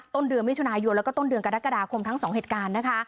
ต้นเดือนมิถุนายุทธและกระดาษกระดาษคมทั้งสองเหตุการณ์นะคะ